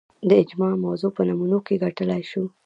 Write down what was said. د اجماع موضوع په نمونو کې ګڼلای شو